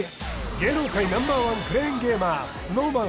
芸能界Ｎｏ．１クレーンゲーマーＳｎｏｗＭａｎ